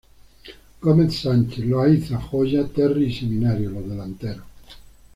Gómez Sánchez, Loayza, Joya, Terry y Seminario, los delanteros.